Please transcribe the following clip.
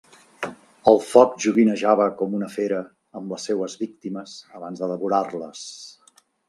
El foc joguinejava com una fera amb les seues víctimes abans de devorar-les.